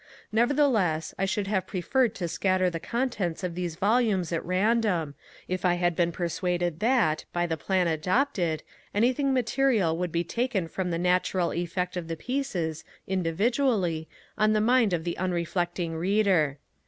Nevertheless, I should have preferred to scatter the contents of these volumes at random, if I had been persuaded that, by the plan adopted, anything material would be taken from the natural effect of the pieces, individually, on the mind of the unreflecting Reader.